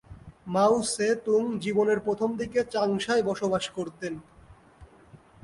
মাও ৎসে-তুং জীবনের প্রথম দিকে চাংশায় বসবাস করতেন।